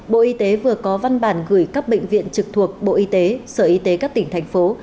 bộ y tế vừa có văn bản gửi các bệnh viện trực thuộc bộ y tế sở y tế các tỉnh thành phố